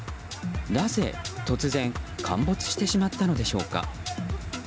なぜ突然陥没してしまったのでしょうか。